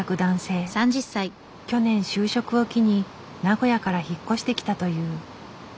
去年就職を機に名古屋から引っ越してきたという。